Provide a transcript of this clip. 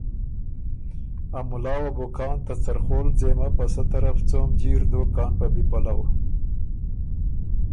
ا مُلا وه بو کان ته څرخول ځېمه په سۀ طرف څوم جیر دوک کان په بی پَلؤ۔